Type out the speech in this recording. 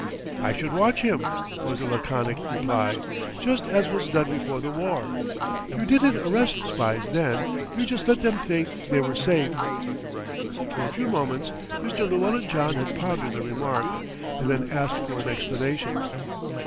"I should watch him," was the laconic reply. "Just as was done before the war. You didn't arrest spies then, you just let them think they were safe." For a few moments Mr. Llewellyn John had pondered the remark, and then asked for an explanation.